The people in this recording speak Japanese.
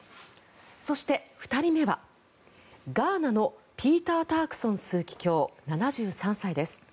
そして、２人目はガーナのピーター・タークソン枢機卿、７３歳です。